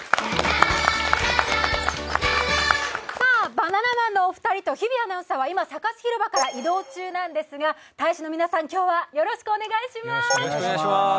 バナナマンのお二人と日比アナウンサーは今、サカス広場から移動中なんですが、大使の皆さん、今日はよろしくお願いします。